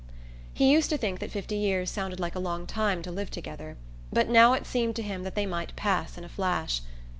He used to think that fifty years sounded like a long time to live together; but now it seemed to him that they might pass in a flash.